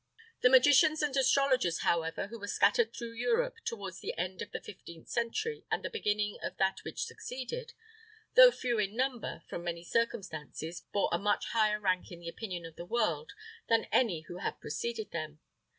The magicians and astrologers, however, who were scattered through Europe towards the end of the fifteenth century, and the beginning of that which succeeded, though few in number, from many circumstances, bore a much higher rank in the opinion of the world than any who had preceded them.